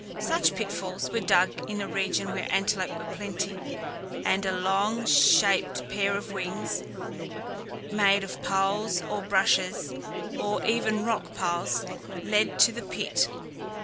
Such pitfalls were dug in a region where antelope were plenty, and a long > shaped pair of wings, made of poles or bushes or even rock piles, led to the pit.